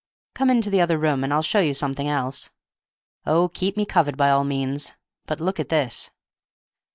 Come into the other room, and I'll show you something else. Oh, keep me covered by all means. But look at this!"